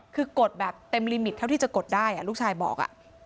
คือกดแบบเต็มลิมิตเท่าที่จะกดได้ลูกชายบอก